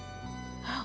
あっ！